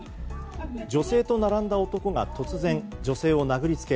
女性と並んだ男が突然女性を殴りつけ